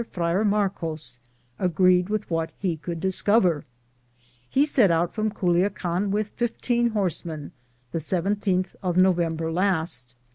Friar Marcos, agreed with what he could discover. He set out from Culuacan with fifteen horsemen, the 17th of November last.